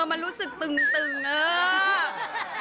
มันรู้สึกตึงเออ